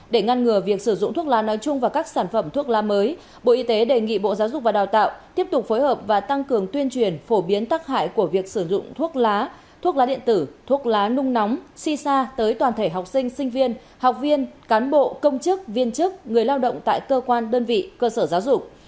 để ngăn ngừa việc sử dụng thuốc lá nói chung và các sản phẩm thuốc lá mới bộ y tế đề nghị bộ giáo dục và đào tạo tiếp tục phối hợp và tăng cường tuyên truyền phổ biến tác hại của việc sử dụng thuốc lá thuốc lá điện tử thuốc lá nung nóng si xa tới toàn thể học sinh sinh viên học viên cán bộ công chức viên chức người lao động tại cơ quan đơn vị cơ sở giáo dục